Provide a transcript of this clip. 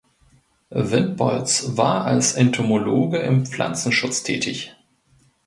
Wildbolz war als Entomologe im Pflanzenschutz tätig.